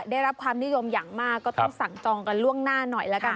ได้รับความนิยมอย่างมากก็ต้องสั่งจองกันล่วงหน้าหน่อยละกัน